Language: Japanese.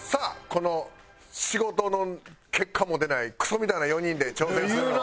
この仕事の結果も出ないクソみたいな４人で挑戦するのは。